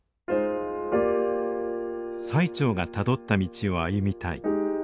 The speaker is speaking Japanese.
最澄がたどった道を歩みたい。